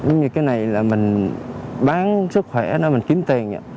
giống như cái này là mình bán sức khỏe đó mình kiếm tiền